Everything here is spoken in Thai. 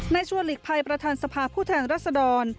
ชัวร์หลีกภัยประธานสภาพผู้แทนรัศดร